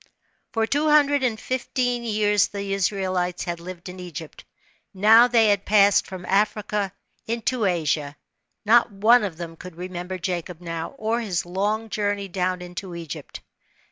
Fort two hundred and fifteen years the Israelites had lived in Egypt. Now they had passed from Africa, into Asia. Not one of them could remem ber Jacob now, or his long journey down into Egypt.